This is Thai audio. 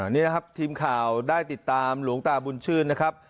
นี่นะครับทีมข่าวได้ติดตามหลวงตาบุญชื่นนะครับ